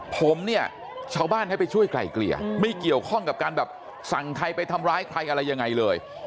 ผมเนี่ยชาวบ้านให้ไปช่วยไกล่เกลี่ยไม่เกี่ยวข้องกับการแบบสั่งใครไปทำร้ายใครอะไรยังไงเลย